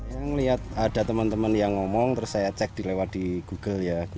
saya ngeliat ada teman teman yang ngomong terus saya cek di lewat di google ya